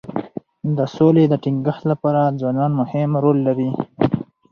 د سولي د ټینګښت لپاره ځوانان مهم رول لري.